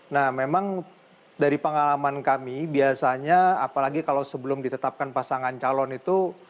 nah memang dari pengalaman kami biasanya apalagi kalau sebelum ditetapkan pasangan calon itu